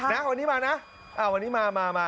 นะวันนี้มานะวันนี้มามา